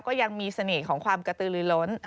ก็ยังมีเสน่ห์ของความกระตือลือล้น